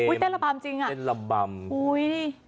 อุ๊ยเต้นระบำจริงอ่ะเต้นระบำ